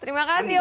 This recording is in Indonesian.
terima kasih oma